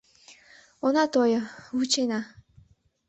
Она тойо, вучена».